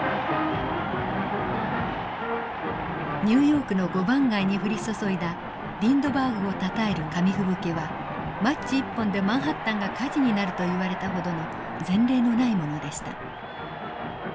ニューヨークの５番街に降り注いだリンドバーグをたたえる紙吹雪はマッチ１本でマンハッタンが火事になると言われたほどの前例のないものでした。